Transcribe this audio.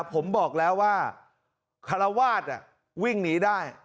ผมบอกแล้วว่าคารวาสวิ่งหนีได้